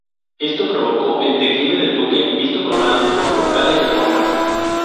Esto provocó el declive del Duque, visto con malos ojos por tales reformas.